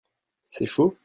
C'est chaud ?